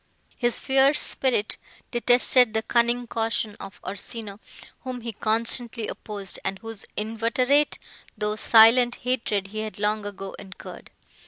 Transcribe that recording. His fierce spirit detested the cunning caution of Orsino, whom he constantly opposed, and whose inveterate, though silent, hatred he had long ago incurred.